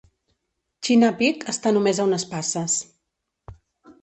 China Peak està només a unes passes.